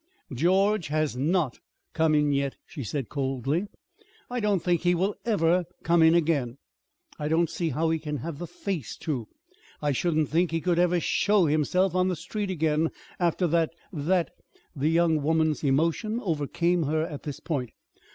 "George has not come in yet," she said coldly. "I don't think he will ever come in again. I don't see how he can have the face to. I shouldn't think he could ever show himself on the street again after that that " The young woman's emotion overcame her at this point.